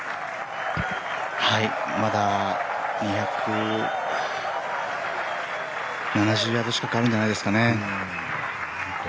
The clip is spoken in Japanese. まだ２７０ヤード近くあるんじゃないですかね。